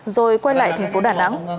rồi quay lại thành phố đà nẵng